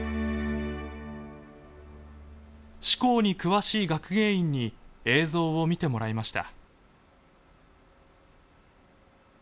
志功に詳しい学芸員に映像を見てもらいました。